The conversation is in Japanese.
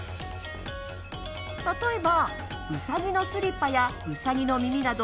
例えばウサギのスリッパやウサギの耳など